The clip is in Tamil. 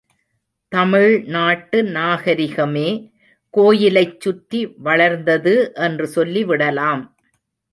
தமிழ் நாட்டு நாகரிகமே கோயிலைச் சுற்றி வளர்ந்தது என்று சொல்லிவிடலாம்.